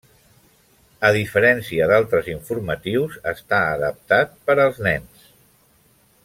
A diferència d'altres informatius, està adaptat per als nens.